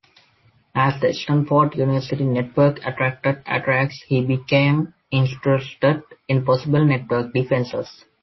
As the Stanford University Network attracted attacks, he became interested in possible network defenses.